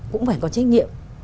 cũng phải có trách nhiệm